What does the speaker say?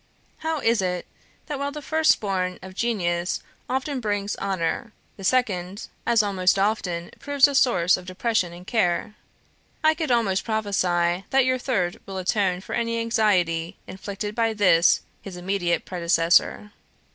"How is it that while the first born of genius often brings honour, the second as almost often proves a source of depression and care? I could almost prophesy that your third will atone for any anxiety inflicted by this his immediate predecessor.